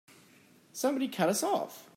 Somebody cut us off!